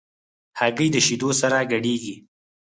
هګۍ د شیدو سره ګډېږي.